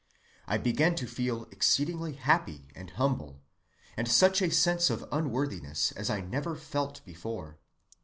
I began to feel exceedingly happy and humble, and such a sense of unworthiness as I never felt before.